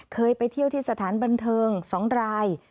เคยไปเที่ยวที่สถานบันเทิง๒ราย